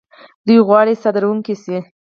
دوی غواړي صادرونکي شي.